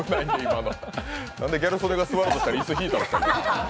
なんでギャル曽根が座ろうとしたら椅子引いたんですか。